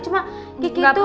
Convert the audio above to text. cuma giki tuh